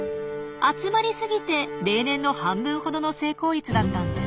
集まりすぎて例年の半分ほどの成功率だったんです。